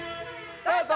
スタート！